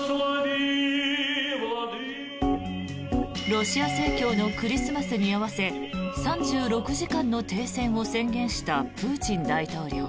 ロシア正教のクリスマスに合わせ３６時間の停戦を宣言したプーチン大統領。